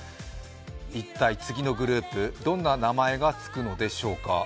一体、次のグループ、どんな名前がつくのでしょうか。